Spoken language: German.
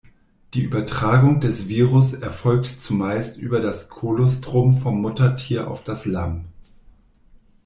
Die Übertragung des Virus erfolgt zumeist über das Kolostrum vom Muttertier auf das Lamm.